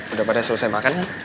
udah pada selesai makan kan